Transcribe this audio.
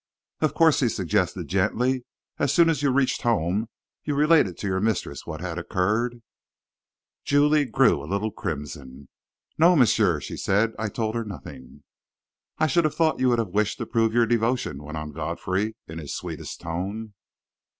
"Of course," he suggested gently, "as soon as you reached home you related to your mistress what had occurred?" Julie grew a little crimson. "No, monsieur," she said, "I told her nothing." "I should have thought you would have wished to prove your devotion," went on Godfrey, in his sweetest tone.